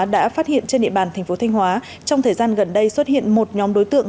đã phát hiện trên địa bàn thành phố thanh hóa trong thời gian gần đây xuất hiện một nhóm đối tượng